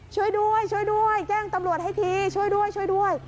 ช่วยด้วยช่วยด้วยแจ้งตำรวจให้ทีช่วยด้วยช่วยด้วย